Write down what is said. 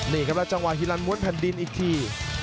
นี่ครับแล้วจังหวะฮิลันม้วนแผ่นดินอีกที